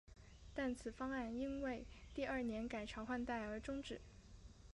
但此方案因为第二年改朝换代而中止。